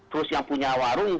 terus yang punya warung